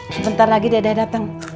sebentar lagi dede datang